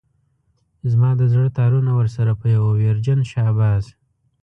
زما د زړه تارونه ورسره په يوه ويرجن شهباز.